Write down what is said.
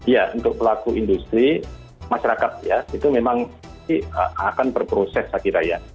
ya untuk pelaku industri masyarakat ya itu memang akan berproses saya kira ya